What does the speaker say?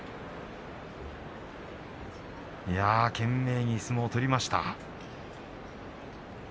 懸命に相撲を取りました。